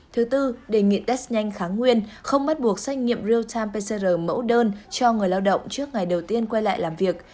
thứ tư đề nghị test nhanh kháng nguyên không bắt buộc xét nghiệm real time pcr mẫu đơn cho người lao động trước ngày đầu tiên quay lại làm việc